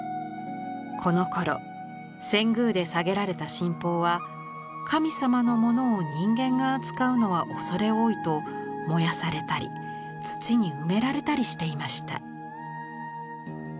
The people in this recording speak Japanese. このころ遷宮で下げられた神宝は神様のものを人間が扱うのは畏れ多いと燃やされたり土に埋められたりしていました。